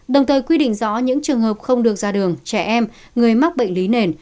đồng thời quy định rõ những trường hợp không được ra đường trẻ em người mắc bệnh lý nền